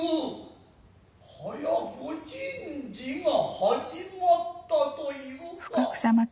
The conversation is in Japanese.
はや御神事が始まつたといふか。